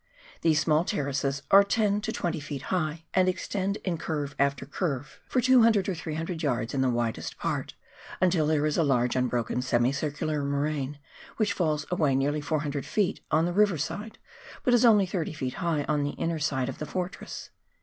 These smaller terraces are 10 to 20 ft. high, and extend in curve after curve for 200 or TWAIN EIVER. 239 300 yards in the widest part, until there is a large unbroken semicircular moraine which falls away nearly 400 ft. on the river side, but is only 30 ft. high on the inner side of the fortress.